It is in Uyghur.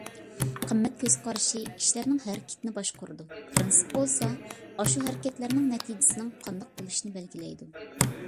قىممەت كۆز قارىشى كىشىلەرنىڭ ھەرىكىتىنى باشقۇرىدۇ. پىرىنسىپ بولسا ئاشۇ ھەرىكەتلەرنىڭ نەتىجىسىنىڭ قانداق بولۇشىنى بەلگىلەيدۇ.